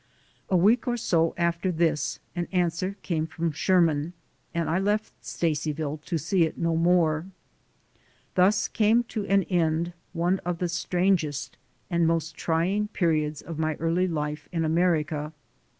A week or so after this an answer came from Sherman and I left Stacyville to see it no more. Thus came to an end one of the strangest and most trying periods of my early life in America.